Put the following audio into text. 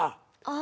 あ。